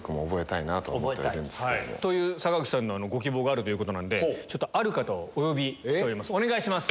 という坂口さんのご希望があるということなんである方をお呼びしておりますお願いします。